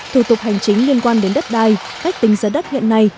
thủ tục hành chính liên quan đến đất đai cách tính giá đất hiện nay